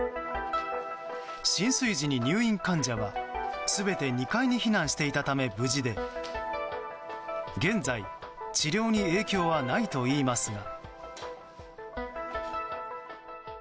浸水時に、入院患者は全て２階に避難していたため無事で現在、治療に影響はないといいますが。